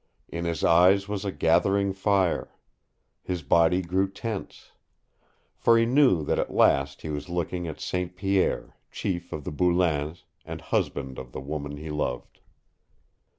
In his eyes was a gathering fire. His body grew tense. For he knew that at last he was looking at St. Pierre, chief of the Boulains, and husband of the woman he loved.